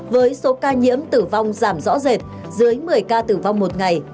với số ca nhiễm tử vong giảm rõ rệt dưới một mươi ca tử vong một ngày